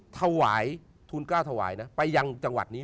ธวายทุน๙ทวายนะไปยังจังหวัดนี้